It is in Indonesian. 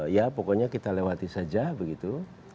ya pokoknya kita lewati saja begitu